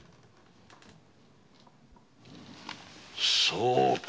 そうか。